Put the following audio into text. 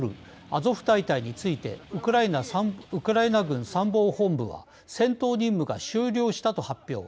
アゾフ大隊についてウクライナ軍参謀本部は戦闘任務が終了したと発表。